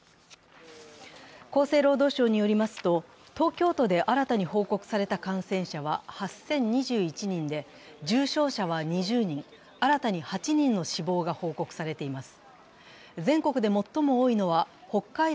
厚生労働省によりますと、東京都で新たに報告された感染者は８０２１人で、重症者は２０人、新たに８人の死亡が報告されています。